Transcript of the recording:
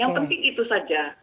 yang penting itu saja